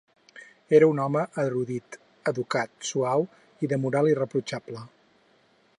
Era un home erudit, educat, suau i de moral irreprotxable.